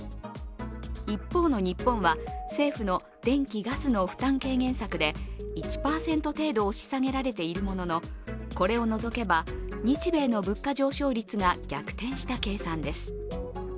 一方の日本は、政府の電気・ガスの負担軽減策で１％程度押し下げられているもののこれをのぞけば日米の物価上昇率が逆転した計算です。